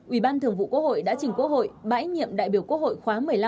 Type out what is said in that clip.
ủy ban thường vụ quốc hội đã trình quốc hội bãi nhiệm đại biểu quốc hội khóa một mươi năm